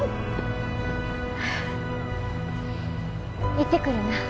行ってくるな。